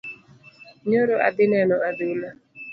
Nyoro adhi neno adhula.